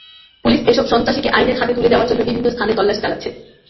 Police এসব সন্ত্রাসীকে আইনের হাতে তুলে দেওয়ার জন্যে বিভিন্ন স্থানে তল্লাশি চালাচ্ছে।